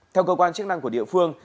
theo cơ quan chức năng của địa phương